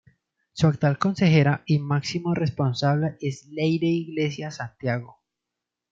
Su actual consejera y máximo responsable es Leire Iglesias Santiago.